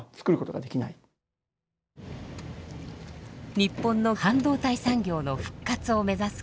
日本の半導体産業の復活を目指す黒田さん。